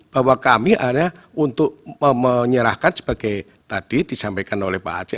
bahwa kami hanya untuk menyerahkan sebagai tadi disampaikan oleh pak aceh